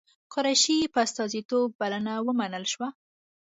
قریشي په استازیتوب بلنه ومنل شوه.